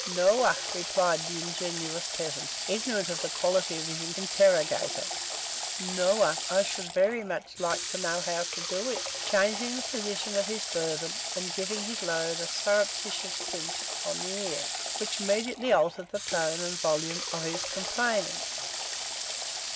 "Noa," replied the ingenuous peasant, ignorant of the quality of his interrogator; "noa; and I should very much like to know how to do it," changing the position of his burthen, and giving his load a surreptitious pinch of the ear, which immediately altered the tone and volume of his complaining.